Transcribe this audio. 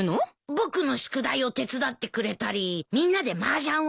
僕の宿題を手伝ってくれたりみんなでマージャンをしたり。